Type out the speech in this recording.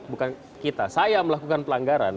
bukan kita saya melakukan pelanggaran